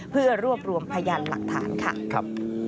เพื่อรวบรวมพยานหลักฐานค่ะ